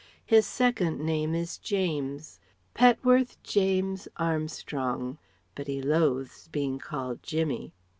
His second name is James Petworth James Armstrong. But he loathes being called 'Jimmy.'